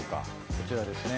こちらですね。